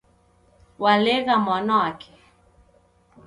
W'alegha mwana wake